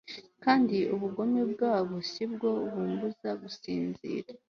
kandi ubugome bwabo si bwo bumbuza gusinzira